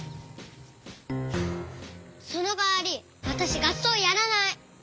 そのかわりわたしがっそうやらない。